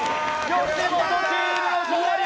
吉本チームの勝利！